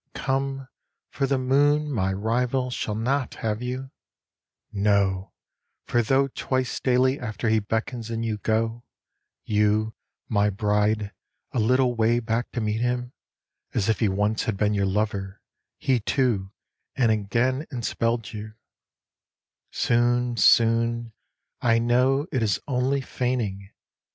_ _Come, for the moon, my rival, shall not have you; No, for tho twice daily afar he beckons and you go, You, my bride, a little way back to meet him, As if he once had been your lover, he too, and again enspelled you, Soon, soon, I know it is only feigning!